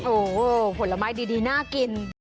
โอ้โหผลไม้ดีน่ากิน